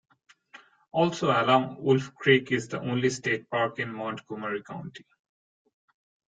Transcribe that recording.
Also along Wolf Creek is the only state park in Montgomery County.